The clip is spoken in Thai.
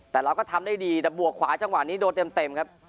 แต่เราก็ทำได้ดีแต่บวกขวาจังหวะนี้โดนเต็มครับ